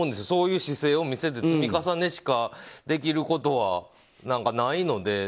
そういう姿勢を見せて積み重ねしかできることはないので。